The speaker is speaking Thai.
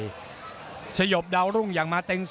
ของก็หนักจริงไร่จริงต้องเจอแบบนี้เลยครับ